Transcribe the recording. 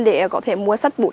để có thể mua sách bút